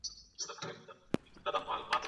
افغان نارینه د خپلو اساسي حقونو دفاع نه سي کولای.